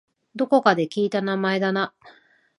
どこかで聞いた名前だな